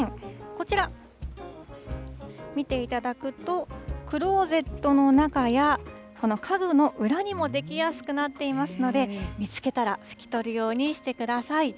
こちら、見ていただくと、クローゼットの中や、この家具の裏にも出来やすくなっていますので、見つけたら拭き取るようにしてください。